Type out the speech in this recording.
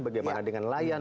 bagaimana dengan nelayan